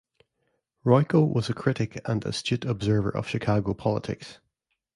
Royko was a critic and astute observer of Chicago politics.